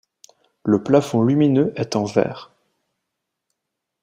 Le plafond lumineux est en verre.